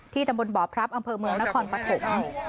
ตำบลบ่อพรับอำเภอเมืองนครปฐม